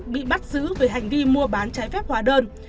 bị bắt giữ về hành vi mua bán trái phép hóa đơn